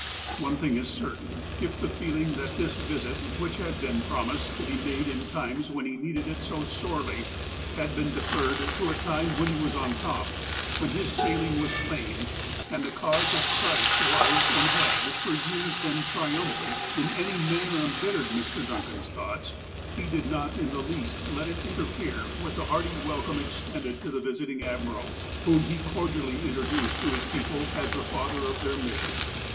One thing is certain : If the feeling, that this visit, which had been promised to be made in times when he needed it so sorely, had been deferred to a time when he was on top, when his sailing was plain, and the cause of Christ was, and had for years been, triumphant, in any manner embittered Mr. Duncan's thoughts, he did not in the least let it interfere with the hearty welcome ex tended to the visiting admiral, whom he cordially intro duced to his people as the father of their mission.